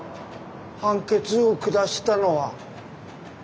判決を下したのは。